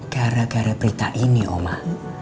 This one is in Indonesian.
gara gara berita ini oma